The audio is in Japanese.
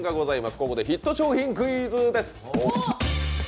ここでヒット商品クイズです。